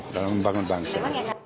dalam membangun bangsa